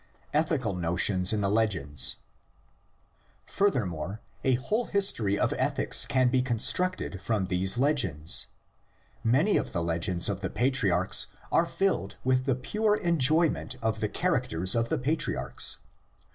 ETHICAL NOTIONS IN THE LEGENDS. Furthermore, a whole history of ethics can be con structed from these legends. Many of the legends of the patriarchs are filled with the pure enjoyment of the characters of the patriarchs.